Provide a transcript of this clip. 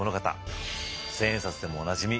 千円札でもおなじみ